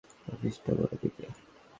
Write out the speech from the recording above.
আপনাদের ভাইস-প্রেসিডেন্টের অফিস টা কোনদিকে?